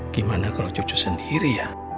gimana kalau cucu sendiri